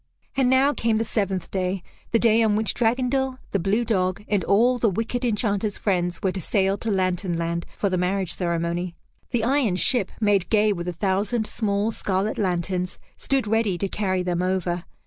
And now came the seventh day, the day on which Dragondel, the blue dog, and all the wicked Enchanter's friends were to sail to Lantern Land for the marriage ceremony. The iron ship, made gay with a thousand small scarlet lanterns, stood ready to carry them over.